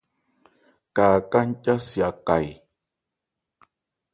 Ka Aká nca si a ka e ?